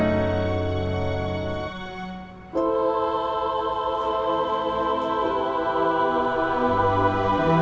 ini udah berakhir